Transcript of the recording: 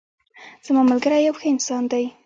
زما ملګری یو ښه انسان ده